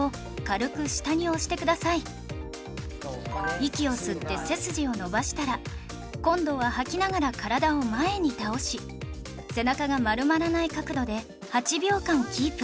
息を吸って背筋を伸ばしたら今度は吐きながら体を前に倒し背中が丸まらない角度で８秒間キープ